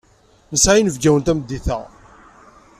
Nesɛa inebgawen tameddit-a.